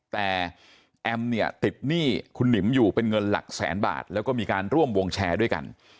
แต่แอมเนี่ยติดหนี้คุณหนิมอยู่เป็นเงินหลักแสนบาทแล้วก็มีการร่วมวงแชร์ด้วยกัน